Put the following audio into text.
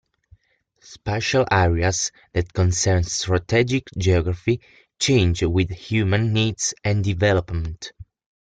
Spatial areas that concern strategic geography change with human needs and development.